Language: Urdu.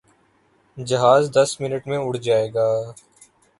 جہاز دس منٹ میں اڑ جائے گا۔